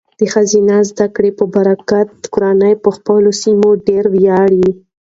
د ښځینه زده کړې په برکت، کورنۍ په خپلو سیمو ډیر ویاړي.